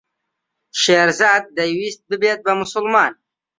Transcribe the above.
شێرزاد دەیویست ببێت بە موسڵمان.